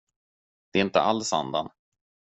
Det är inte alls andan.